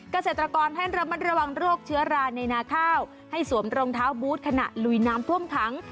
เกษตรกรให้ระมัดระวังโรคเชื้อราในนาข้าวให้สวมรองเท้าบูธขณะลุยน้ำท่วมขัง